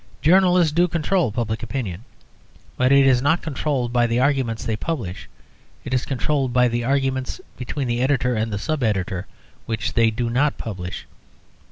Journalists do control public opinion; but it is not controlled by the arguments they publish it is controlled by the arguments between the editor and sub editor, which they do not publish.